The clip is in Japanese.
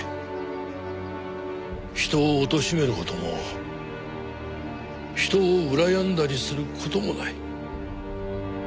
人をおとしめる事も人をうらやんだりする事もない。